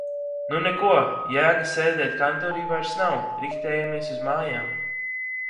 Nu neko, jēga sēdēt kantorī vairs nav, riktējamies uz mājām.